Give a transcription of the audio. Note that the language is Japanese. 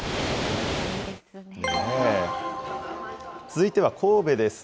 続いては神戸です。